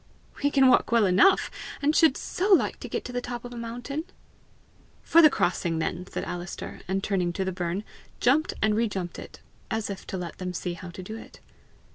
"We can walk well enough, and should so like to get to the top of a mountain!" "For the crossing then!" said Alister, and turning to the burn, jumped and re jumped it, as if to let them see how to do it.